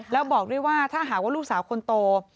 แล้วบอกด้วยว่าถ้าหากว่าลูกสาวคนโต